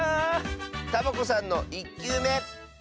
サボ子さんの１きゅうめどうぞ！